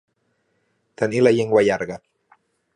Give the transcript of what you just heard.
Tenir la llengua llarga.